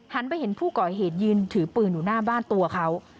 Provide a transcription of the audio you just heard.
ไปเห็นผู้ก่อเหตุยืนถือปืนอยู่หน้าบ้านตัวเขา